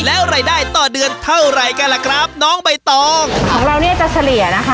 แล้วรายได้ต่อเดือนเท่าไหร่กันล่ะครับน้องใบตองของเราเนี่ยจะเฉลี่ยนะคะ